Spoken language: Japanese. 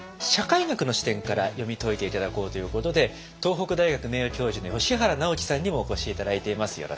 社会学の視点から読み解いて頂こうということで東北大学名誉教授の吉原直樹さんにもお越し頂いています。